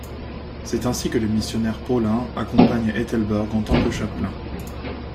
C'est ainsi que le missionnaire Paulin accompagne Æthelburg en tant que chapelain.